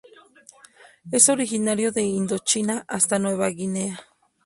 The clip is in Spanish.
Es originario de Indochina hasta Nueva Guinea.